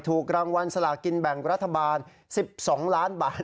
ถูกรางวัลสลากินแบ่งรัฐบาล๑๒ล้านบาท